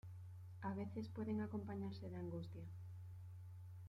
A veces pueden acompañarse de angustia.